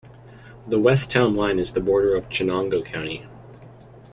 The west town line is the border of Chenango County.